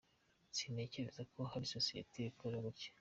sintekereza ko hari sosiyete ikora gutyo.